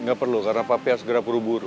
nggak perlu karena papi harus segera puru puru